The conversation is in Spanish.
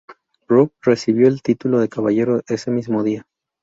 Grove recibió el título de caballero ese mismo día.